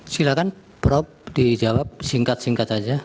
silakan prof dijawab singkat singkat saja